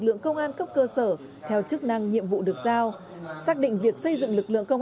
lượng công an cấp cơ sở theo chức năng nhiệm vụ được giao xác định việc xây dựng lực lượng công